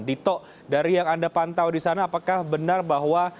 dito dari yang anda pantau di sana apakah benar bahwa